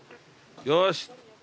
よし。